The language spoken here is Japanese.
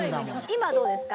今はどうですか？